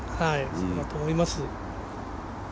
そうだと思います。